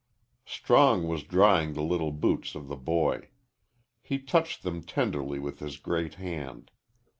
Strong was drying the little boots of the boy. He touched them tenderly with his great hand.